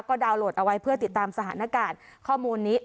ก็ดาวน์โหลดเอาไว้เพื่อติดตามสถานการณ์ข้อมูลนี้